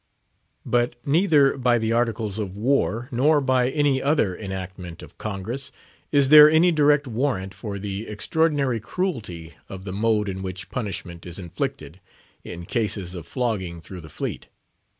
But neither by the Articles of War, nor by any other enactment of Congress, is there any direct warrant for the extraordinary cruelty of the mode in which punishment is inflicted, in cases of flogging through the fleet.